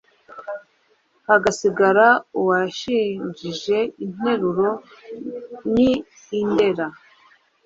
hagasigara uwahishije inturire n’ indera :